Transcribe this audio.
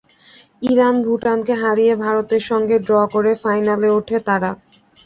Iran, ভুটানকে হারিয়ে ভারতের সঙ্গে ড্র করে ফাইনালে ওঠে তারা।